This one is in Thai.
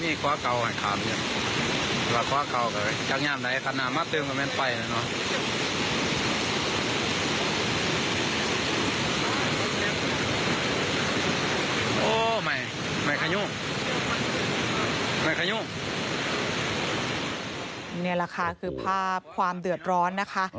นี่แหละค่ะคือภาพความเดือดร้อนนะคะ